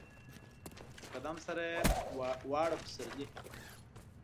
د قدم سره یې واړه پسرلي